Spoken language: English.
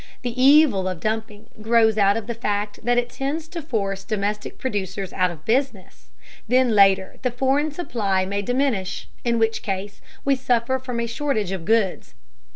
The evil of dumping grows out of the fact that it tends to force domestic producers out of business. Then later the foreign supply may diminish, in which case we suffer from a shortage of goods.